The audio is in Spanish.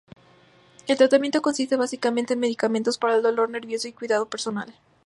El tratamiento consiste básicamente en medicamentos para el dolor nervioso y cuidado personal.